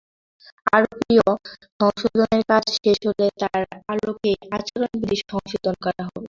RPO সংশোধনের কাজ শেষ হলে তার আলোকেই আচরণবিধি সংশোধন করা হবে।